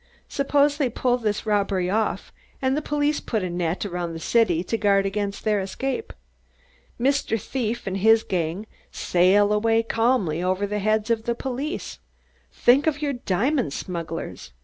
Suppose they pull this robbery off and the police put a net around the city to guard against their escape. Mr. Thief and his gang sail away calmly over the heads of the police. Think of your diamond smugglers!